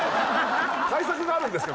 対策があるんですか？